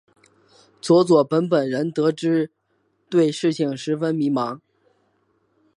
佐佐木本人得知后对事情十分迷惘。